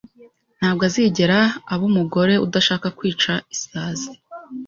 Ntabwo azigera aba Umugore udashaka kwica Isazi